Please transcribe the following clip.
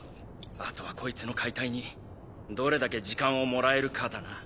あとはこいつの解体にどれだけ時間をもらえるかだな。